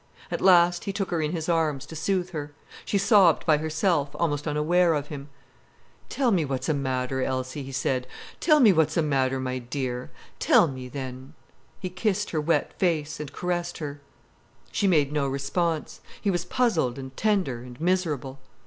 At last he took her in his arms, to soothe her. She sobbed by herself, almost unaware of him. "Tell me what's a matter, Elsie," he said. "Tell me what's a matter—my dear—tell me, then——" He kissed her wet face, and caressed her. She made no response. He was puzzled and tender and miserable.